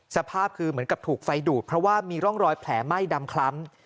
สภาพคือเหมือนกับถูกไฟดูดเพราะว่ามีร่องรอยแผลไหม้ดำคล้ำ